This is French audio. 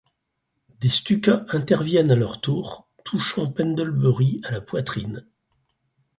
Des Stukas interviennent à leur tour, touchant Pendlebury à la poitrine.